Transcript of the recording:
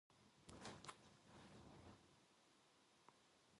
그날 저녁부터 춘우는 집에 들어가는 것을 고만두었다.